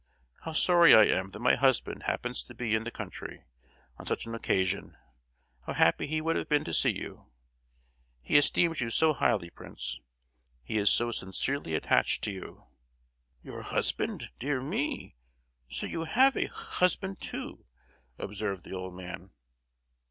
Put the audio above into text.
How sorry I am that my husband happens to be in the country on such an occasion! How happy he would have been to see you! He esteems you so highly, Prince; he is so sincerely attached to you!" "Your husband? dear me! So you have a h—husband, too!" observed the old man.